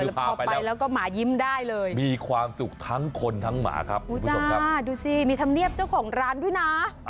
แล้วพอไปแล้วก็หมายิ้มได้เลยมีความสุขทั้งคนทั้งหมาครับคุณผู้ชมครับดูสิมีธรรมเนียบเจ้าของร้านด้วยนะ